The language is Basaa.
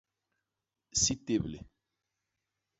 Si téblé.